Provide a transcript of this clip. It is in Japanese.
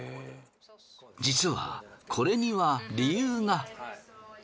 実はこれには理由が。